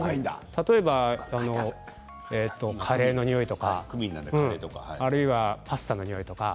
例えば、カレーの匂いとかあるいは、パスタの匂いとか。